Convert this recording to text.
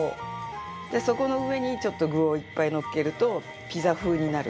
そこの上に、ちょっと具をいっぱいのっけるとピザ風になる。